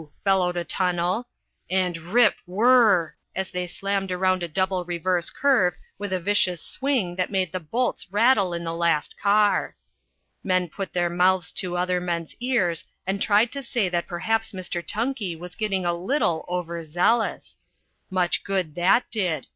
bellowed a tunnel. And rip, whrrr! as they slammed around a double reverse curve with a vicious swing that made the bolts rattle in the last car. Men put their mouths to other men's ears and tried to say that perhaps Mr. Tunkey was getting a little overzealous. Much good that did!